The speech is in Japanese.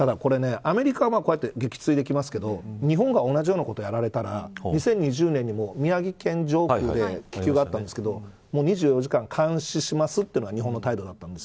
アメリカはこうやって撃墜できますけど日本が同じようなことをやられたら２０２０年にも宮城県上空で気球があったんですけど２４時間監視しますというのが日本の態度だったんです。